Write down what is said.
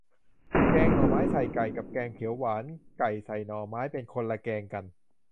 แกงหน่อไม้ใส่ไก่ กับแกงเขียวหวานไก่ใส่หน่อไม้ เป็นคนละแกงกัน